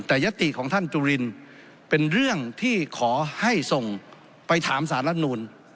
แต่ยติของท่านจุลินเป็นเรื่องที่ขอให้ส่งไปถามสารรัฐมนูล